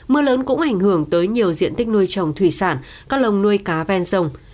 mưa lớn cũng ảnh hưởng tới nhiều diện tích nuôi trồng thủy sản các lồng nuôi cá ven sông